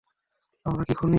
আমরা কি খুনি?